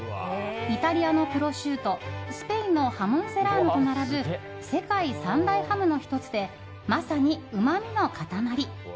イタリアのプロシュートスペインのハモン・セラーノと並ぶ世界三大ハムの１つでまさに、うまみの塊。